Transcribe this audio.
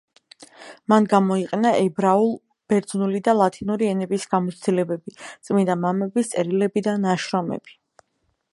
მან გამოიყენა ებრაული, ბერძნული და ლათინური ენების გამოცდილებები, „წმინდა მამების“ წერილები და ნაშრომები.